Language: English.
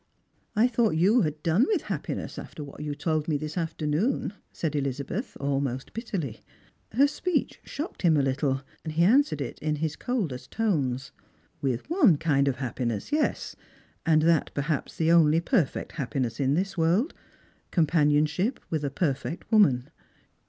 " I thought you had done with happiness, after — what you told me this afternoon," said Elizabeth, almost bitterly. Her speech shocked him a little. He answered it in his coldest tones. " With one kind of happiness, yes, and that perhaps the only perfect happiness in this world — companionship with a perfect woman."